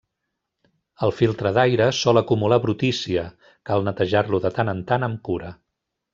El filtre d'aire sol acumular brutícia, cal netejar-lo de tant en tant amb cura.